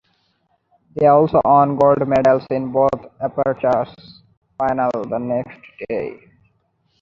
They also won gold medals in both Apparatus finals the next day.